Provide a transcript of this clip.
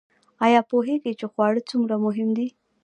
ایا پوهیږئ چې خواړه څومره مهم دي؟